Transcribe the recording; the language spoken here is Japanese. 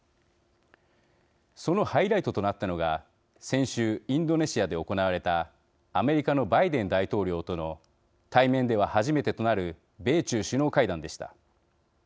そのハイライトとなったのが先週インドネシアで行われたアメリカのバイデン大統領との対面では初めてとなる米中首脳会談でした。